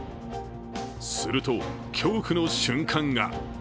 すると、恐怖の瞬間が！